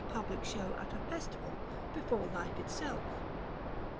public show at a festival before life itself.